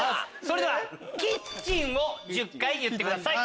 それでは「キッチン」を１０回言ってください。